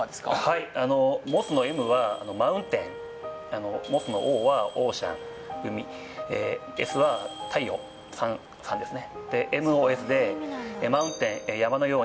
はいあのモスの「Ｍ」はマウンテンモスの「Ｏ」はオーシャン海「Ｓ」は太陽サンサンですね